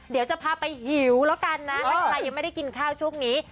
เดี๋ยวจะพาไปหิวแล้วกันนะถ้าใครยังไม่ได้กินข้าวช่วงนี้